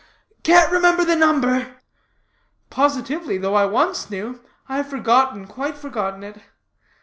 Ugh, ugh! Can't remember the number?" "Positively, though I once knew, I have forgotten, quite forgotten it.